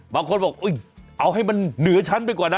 บางคนบอกเอาให้มันเหนือชั้นไปก่อนนะ